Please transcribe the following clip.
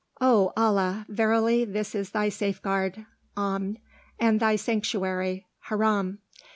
"O Allah! verily this is thy safeguard (Amn) and thy Sanctuary (Haram)!